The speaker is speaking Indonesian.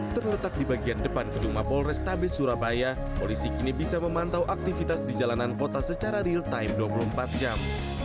terletak di bagian depan gedung mapol restabes surabaya polisi kini bisa memantau aktivitas di jalanan kota secara real time dua puluh empat jam